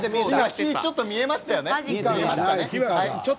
火はちょっと見えました。